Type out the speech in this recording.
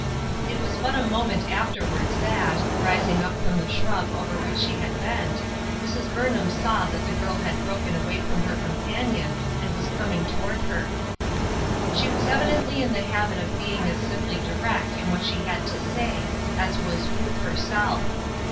It was but a moment afterwards that, rising up from the shrub over which she had bent, Mrs. Burnham saw that the girl had broken A WAITING WORKER. 3OI away from her companion and was coming toward her. She was evidently in the habit of being as simply direct in what she had to say as was Ruth herself.